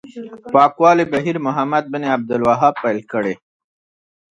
پاکولو بهیر محمد بن عبدالوهاب پیل کړی.